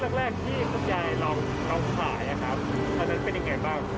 ในช่วงแรกที่คุณยายลองขายครับตอนนั้นเป็นอย่างไรบ้างครับ